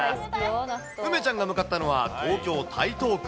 梅ちゃんが向かったのは、東京・台東区。